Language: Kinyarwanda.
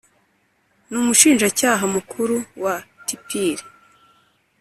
n'umushinjacyaha mukuru wa tpir,